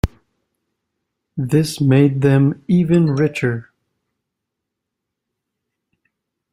This made them even richer.